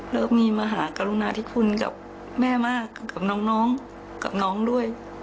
แล้วมีมหากรุณาธิคุณกับแม่มากกับน้องด้วย